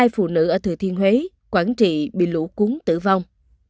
hai phụ nữ ở thừa thiên huế quảng trị bị lũ cuốn tử vong